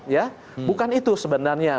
ya bukan itu sebenarnya